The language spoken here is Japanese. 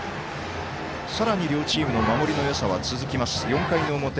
さらに両チームの守りのよさは続きます、４回の表。